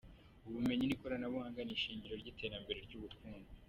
Ubumenyi n’ikoranabuhanga ni ishingiro ry’iterambere ry’ubukungu.